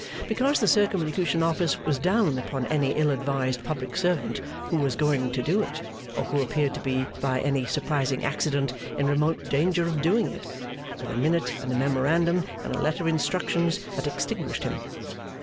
Because the Circumlocution Office was down upon any ill advised public servant who was going to do it, or who appeared to be by any surprising accident in remote danger of doing it, with a minute, and a memorandum, and a letter of instructions that extinguished him.